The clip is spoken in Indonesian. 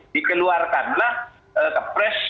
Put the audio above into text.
dikeluarkanlah ke pres